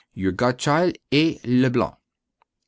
Your godchild. A. Leblanc.